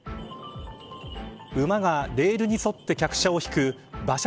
馬がレールに沿って客車を引く馬車